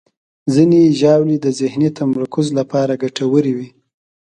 ځینې ژاولې د ذهني تمرکز لپاره ګټورې وي.